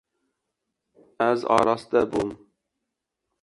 Ez araste bûm.